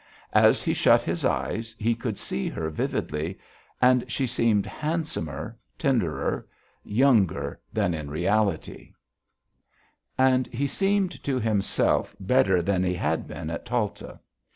As he shut his eyes, he could see her, vividly, and she seemed handsomer, tenderer, younger than in reality; and he seemed to himself better than he had been at Talta.